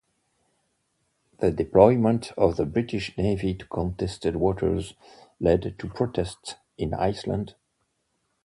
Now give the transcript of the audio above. The deployment of the British Navy to contested waters led to protests in Iceland.